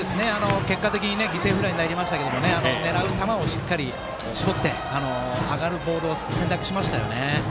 結果的に犠牲フライになりましたが狙う球をしっかり絞って上がるボールを選択しましたね。